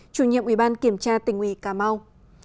chủ nhiệm ủy ban kiểm tra tỉnh ủy cà mau